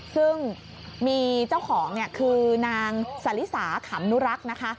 ซึ่งมีเจ้าของคือนางสลิสาขำนุรักษ์นะคะ